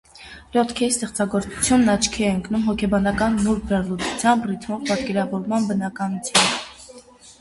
Ռյոթքեի ստեղծագործությունն աչքի է ընկնում, հոգեբանական նուրբ վերլուծությամբ, ռիթմով, պատկերավորման բնականությամբ։